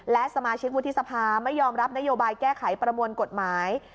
และสมาชิกวุฒิสภาไม่ยอมรับนโยบายแก้ไขประมวลกฎหมาย